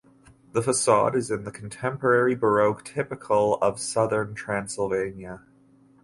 The facade is in the contemporary Baroque typical of southern Transylvania.